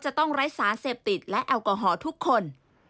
จะต้องไร้สารเสพติดและแอลกอฮอล์ทุกคน